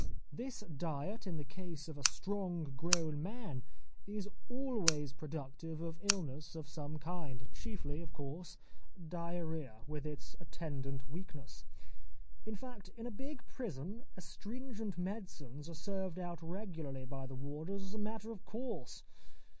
This diet in the case of a strong grown man is always productive of illness of some kind, chiefly of course diarrhoea, with its attendant weakness. In fact in a big prison astringent medicines are served out regularly by the warders as a matter of course.